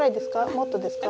もっとですか？